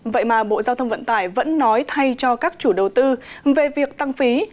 vậy mà bộ giao thông vận tải vẫn nói thay cho các chủ đầu tư về việc tăng phí